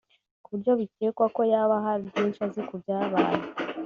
ku buryo bikekwa ko yaba hari byinshi azi ku byabaye